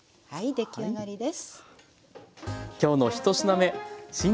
出来上がりです。